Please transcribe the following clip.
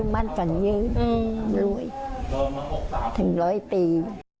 มันฝั่งยืนเออนะถึงร้อยปี